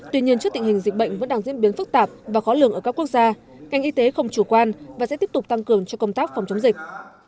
tuy nhiên trước tình hình dịch bệnh vẫn đang diễn biến phức tạp và khó lường ở các quốc gia ngành y tế không chủ quan và sẽ tiếp tục tăng cường cho công tác phòng chống dịch